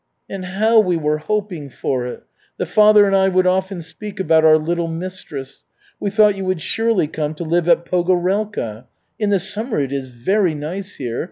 "And how we were hoping for it! The father and I would often speak about our little mistress. We thought you would surely come to live at Pogorelka. In the summer it is very nice here.